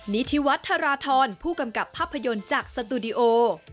นิธิวัฒราธรผู้กำกับภาพยนตร์จากสตูดิโอ